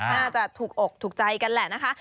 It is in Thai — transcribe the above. น่าจะถูกอกถูกใจกันแหละนะคะ